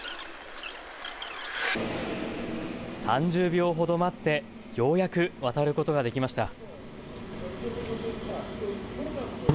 ３０秒ほど待ってようやく渡ることができました。